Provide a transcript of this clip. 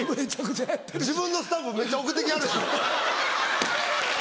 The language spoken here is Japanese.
自分のスタンプめっちゃ送って来はるし。